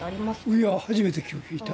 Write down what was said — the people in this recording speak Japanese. いや初めて聞いた。